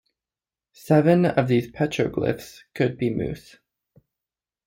Seven of these petroglyphs could be moose.